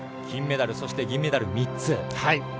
金メダル、銀メダル３つ。